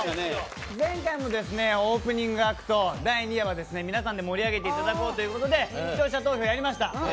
前回もオープニングアクト第２夜は皆さんで盛り上げていただこうということで視聴者投票やりました。